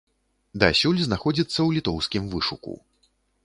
Дасюль знаходзіцца ў літоўскім вышуку.